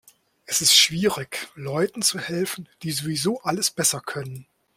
Es ist schwierig, Leuten zu helfen, die sowieso alles besser können.